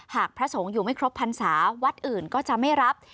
พระสงฆ์อยู่ไม่ครบพรรษาวัดอื่นก็จะไม่รับ